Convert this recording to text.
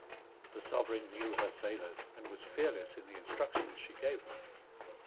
The Sovereign knew her sailors, and was fearless in the instructions she gave them.